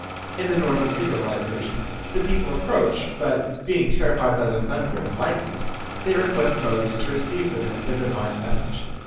In the Northern Israelite version, the people approach, but being terrified by the thunder and lightnings they request Moses to receive for them the divine message.